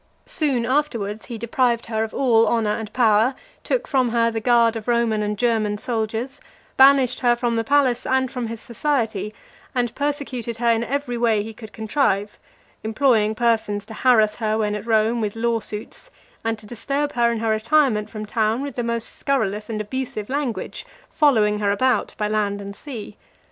Soon afterwards, he deprived her of all honour and power, took from her the guard of Roman and German soldiers, banished her from the palace and from his society, and persecuted her in every way he could contrive; employing persons to harass her when at Rome with law suits, and to disturb her in her retirement from town with the most scurrilous and abusive language, following her about by land and sea.